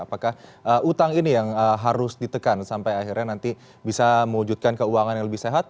apakah utang ini yang harus ditekan sampai akhirnya nanti bisa mewujudkan keuangan yang lebih sehat